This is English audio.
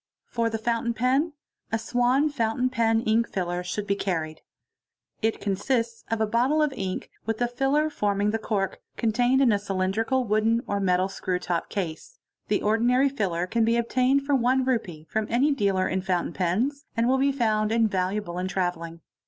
For the fountain pen, a Swan Fountain Pen Ink filler should be carried. It consists of a bottle of ink, with a filler forming the cork, contained in a cylindrical wooden or metal screw to ) case. The ordinary filler can be obtained for Re. 1 from any dealer it fountain pens, and will be found invaluable in travelling.